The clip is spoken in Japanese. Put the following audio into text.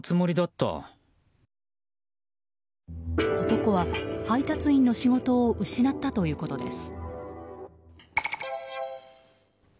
男は、配達員の仕事を失ったということです。